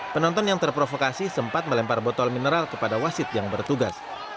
penonton yang terprovokasi sempat melempar botol mineral kepada wasit yang bertugas